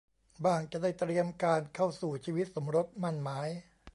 บ้างจะได้เตรียมการเข้าสู่ชีวิตสมรสหมั้นหมาย